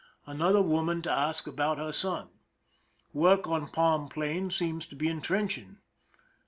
Another woman to ask about her son. Work on palm plain seems to be intrench ing.